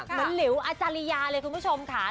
เหมือนเหลวอาจารยาเลยคุณผู้ชมค่ะ